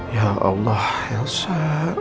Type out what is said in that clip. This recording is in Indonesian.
ya allah elsa